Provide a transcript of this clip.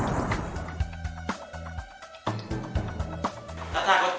จัดการหลักสงสัยภาพอย่างดันทรัมจบกดแรง